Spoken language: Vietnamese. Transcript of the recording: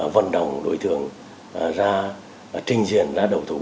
vận động đối tượng ra trình diện ra đầu thú